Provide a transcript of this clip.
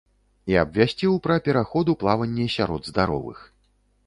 І абвясціў пра пераход у плаванне сярод здаровых.